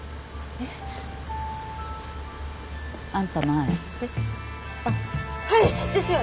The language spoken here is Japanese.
えあっはいですよね！